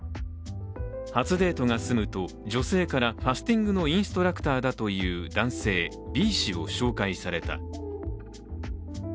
初デートが済むと、女性からファスティングのインストラクターだという男性Ｂ氏を紹介された。